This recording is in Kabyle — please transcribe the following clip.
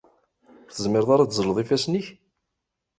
Ur tezmireḍ ara ad teẓẓleḍ ifassen-ik?